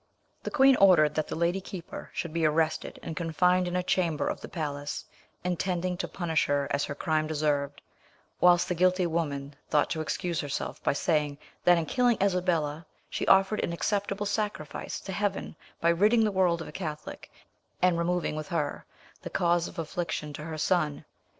The queen ordered that the lady keeper should be arrested and confined in a chamber of the palace, intending to punish her as her crime deserved; whilst the guilty woman thought to excuse herself by saying that in killing Isabella she offered an acceptable sacrifice to heaven by ridding the world of a Catholic, and removing with her the cause of affliction to her son.